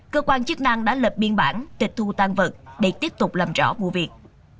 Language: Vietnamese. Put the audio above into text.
cơ quan chức năng đã lập biên bản tịch thu tan vật để tiếp tục làm rõ vụ việc